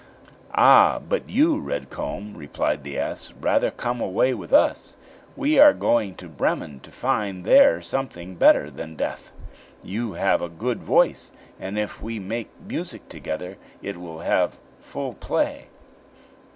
"Ah, but you, Red comb," replied the ass, "rather come away with us. We are going to Bremen, to find there something better than death; you have a good voice, and if we make music together it will have full play."